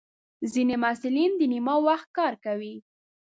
ځینې محصلین د نیمه وخت کار کوي.